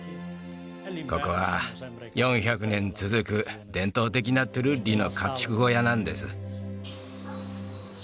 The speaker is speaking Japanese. ここは４００年続く伝統的なトゥルッリの家畜小屋なんです